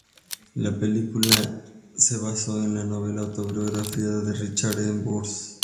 La película se basó en la novela autobiográfica de Richard E. Burns.